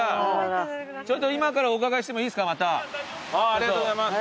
ありがとうございます。